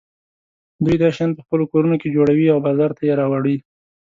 دوی دا شیان په خپلو کورونو کې جوړوي او بازار ته یې راوړي.